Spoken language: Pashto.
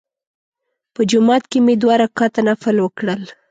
په جومات کې مې دوه رکعته نفل وکړل.